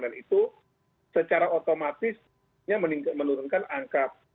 dan itu secara otomatis menurunkan angka